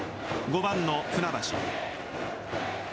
５番の船橋。